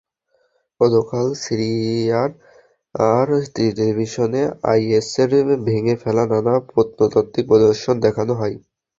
গতকাল সিরিয়ার টেলিভিশনে আইএসের ভেঙে ফেলা নানা প্রত্নতাত্ত্বিক নিদর্শন দেখানো হয়।